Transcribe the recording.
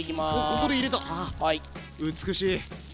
おっここで入れたわ美しい。